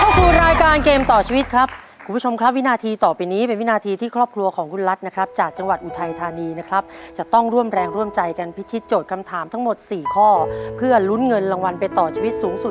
สู่รายการเกมต่อชีวิตครับคุณผู้ชมครับวินาทีต่อไปนี้เป็นวินาทีที่ครอบครัวของคุณรัฐนะครับจากจังหวัดอุทัยธานีนะครับจะต้องร่วมแรงร่วมใจกันพิธีโจทย์คำถามทั้งหมด๔ข้อเพื่อลุ้นเงินรางวัลไปต่อชีวิตสูงสุด